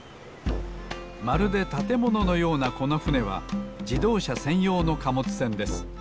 まるでたてもののようなこのふねは自動車せんようの貨物船です。